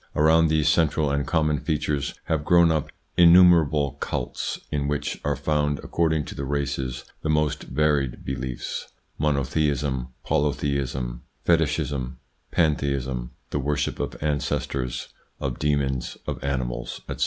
Around these central and common features have grown up inumer able cults in which are found, according to the races, the most varied beliefs : monotheism, polytheism, fetichism, pantheism, the worship of ancestors, of demons, of animals, etc.